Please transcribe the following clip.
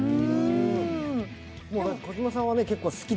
児嶋さんは結構好きで。